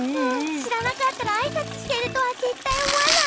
しらなかったらあいさつしてるとはぜったいおもわない。